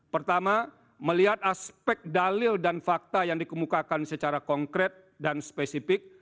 pertama melihat aspek dalil dan fakta yang dikemukakan secara konkret dan spesifik